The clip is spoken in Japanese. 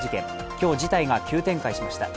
今日、事態が急展開しました。